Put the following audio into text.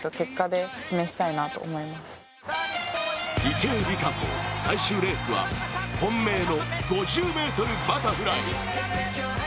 池江璃花子、最終レースは本命の５０ｍバタフライ。